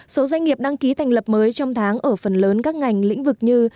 số doanh nghiệp đăng ký thành lập mới trong tháng ở phần lớn các ngành lĩnh vực như